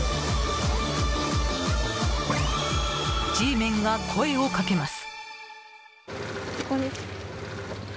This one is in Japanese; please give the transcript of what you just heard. Ｇメンが声をかけます。